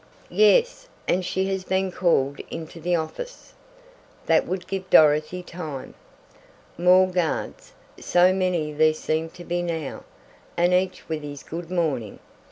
"Yes, and she has been called into the office!" That would give Dorothy time! More guards so many there seemed to be now, and each with his "good morning!"